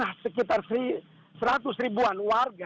karena sekitar seratus ribuan warga